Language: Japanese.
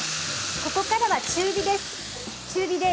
ここからは中火です。